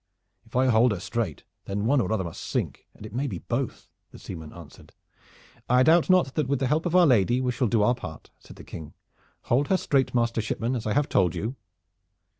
"If I hold her straight, then one or other must sink, and it may be both," the seaman answered. "I doubt not that with the help of our Lady we shall do our part," said the King. "Hold her straight, master shipman, as I have told you."